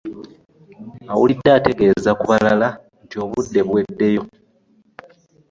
Awulidde ategeeze ku balala nti obudde buweddeyo.